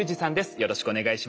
よろしくお願いします。